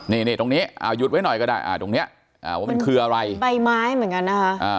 นี่ตรงนี้เอาหยุดไว้หน่อยก็ได้ตรงนี้ว่ามันคืออะไรใบไม้เหมือนกันนะคะ